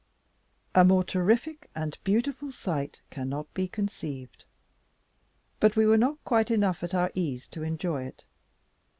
A more terrific and beautiful sight cannot be conceived; but we were not quite enough at our ease to enjoy it.